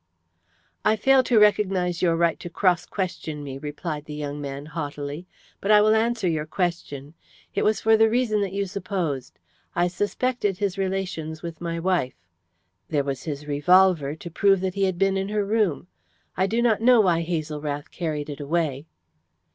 "I fail to recognize your right to cross question me," replied the young man haughtily, "but I will answer your question. It was for the reason that you have supposed. I suspected his relations with my wife. There was his revolver to prove that he had been in her room. I do not know why Hazel Rath carried it away."